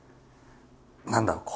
何だろう